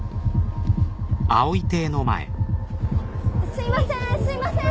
すいませんすいません！